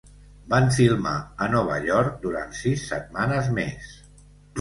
Van filmar a Nova York durant sis setmanes més.